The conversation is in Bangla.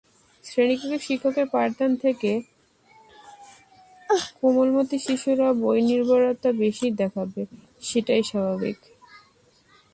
শ্রেণিকক্ষে শিক্ষকের পাঠদান থেকে কোমলমতি শিশুরা বইনির্ভরতা বেশি দেখাবে, সেটাই স্বাভাবিক।